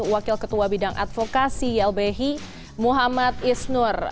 wakil ketua bidang advokasi ylbhi muhammad isnur